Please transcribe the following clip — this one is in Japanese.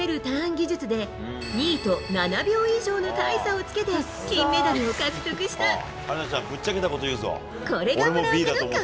ターン技術で２位と７秒以上の大差をつけて金メダルを獲得した。